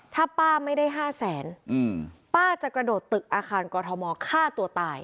ถ้าป้าไม่ได้ห้าแสนป้าจะกระโดดตึกอาคารกอทมฆ่าตัวตาย